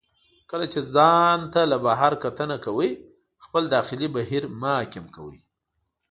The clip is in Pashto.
کله چې ځان ته له بهر کتنه کوئ، خپل داخلي بهیر مه حاکم کوئ.